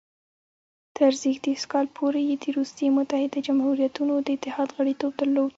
تر زېږدیز کال پورې یې د روسیې متحده جمهوریتونو د اتحاد غړیتوب درلود.